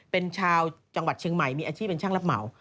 เป็นชาวจังหวัดเชียงใหม่มีอาชีพเป็นช่างรับเหมา